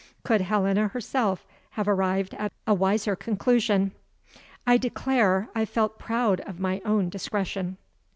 Could Helena herself have arrived at a wiser conclusion? I declare I felt proud of my own discretion.